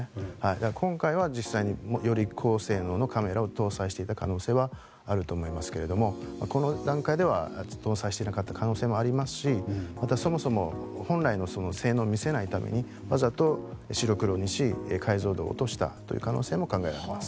だから、今回は実際により高性能のカメラを搭載していた可能性はあると思いますがこの段階では搭載していなかった可能性もありますしまた、そもそも本来の性能を見せないためにわざと白黒にし解像度を落としたという可能性も考えられます。